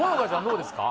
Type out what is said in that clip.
どうですか？